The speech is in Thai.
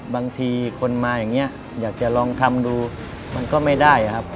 บางทีคนมาอย่างนี้อยากจะลองทำดูมันก็ไม่ได้ครับ